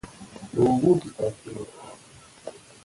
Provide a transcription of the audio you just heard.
افغانستان د اوبزین معدنونه په برخه کې نړیوال شهرت لري.